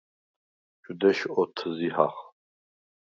ჩუ დეშ ოთზიჰახ.